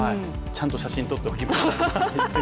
ちゃんと写真撮っておきました。